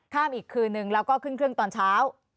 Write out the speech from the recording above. อีกคืนนึงแล้วก็ขึ้นเครื่องตอนเช้า